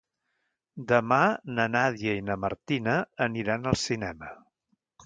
Demà na Nàdia i na Martina aniran al cinema.